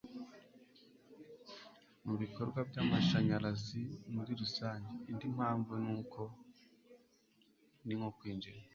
mu bikorwa by'amashanyarazi muri rusange. indi mpamvu ni nko kwinjiza